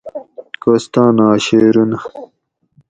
کوستانا شعرونہ